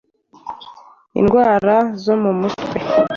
indwara zo mu mutwe